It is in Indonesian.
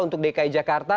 untuk dki jakarta